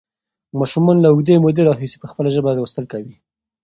ماشومان له اوږدې مودې راهیسې په خپله ژبه لوستل کوي.